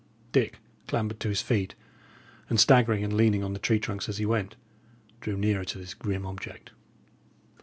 Dick clambered to his feet, and, staggering and leaning on the tree trunks as he went, drew near to this grim object.